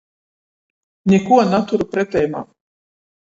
Nikuo naturu preteimā.